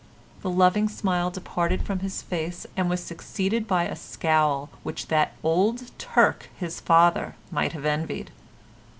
The loving smile departed from his face, and was succeeded by a scowl which that old Turk, his father, might have envied.